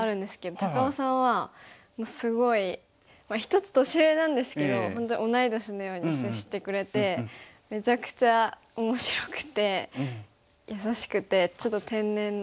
高雄さんはすごい１つ年上なんですけど本当に同い年のように接してくれてめちゃくちゃ面白くて優しくてちょっと天然な。